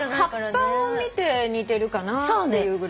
葉っぱを見て似てるかなっていうぐらいでね。